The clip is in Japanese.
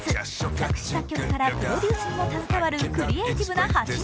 作詞作曲からプロデュースにも携わるクリエーティブな８人。